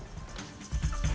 kameranya gerak banget